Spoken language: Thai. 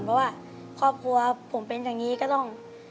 เพราะว่าครอบครัวผมเป็นอย่างนี้ก็ต้อง